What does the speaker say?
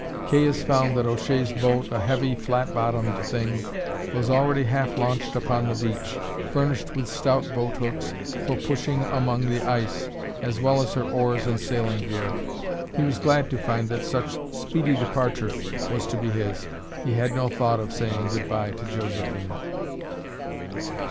Caius found that O'Shea's boat, a heavy flat bottomed thing, was already half launched upon the beach, furnished with stout boat hooks for pushing among the ice, as well as her oars and sailing gear. He was glad to find that such speedy departure was to be his. He had no thought of saying good bye to Josephine.